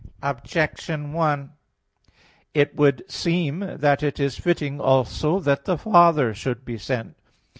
Objection 1: It would seem that it is fitting also that the Father should be sent.